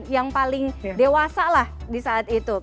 yang paling dewasa lah di saat itu